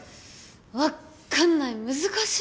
分かんない。